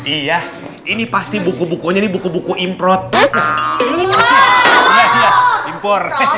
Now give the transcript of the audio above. iya ini pasti buku bukunya ini buku buku import